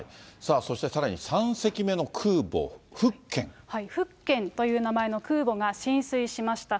そしてさらに３隻目の空母、福建という名前の空母が進水しました。